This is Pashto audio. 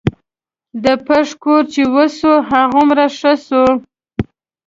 د پښ کور چې وسو هغومره ښه سو.